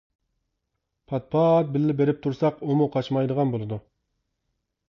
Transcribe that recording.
پات-پات بىللە بېرىپ تۇرساق ئۇمۇ قاچمايدىغان بولىدۇ.